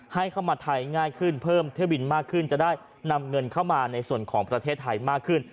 ให้เข้ามาไทยง่ายขึ้นเพิ่มเที่ยวบินมากขึ้นจะได้นำเงินเข้ามาในส่วนของประเทศไทยมากขึ้น